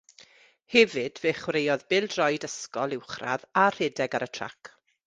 Hefyd fe chwaraeodd bêl-droed ysgol uwchradd a rhedeg ar y trac.